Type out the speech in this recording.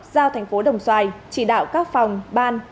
giao thành phố đồng xoài chỉ đạo các phòng ban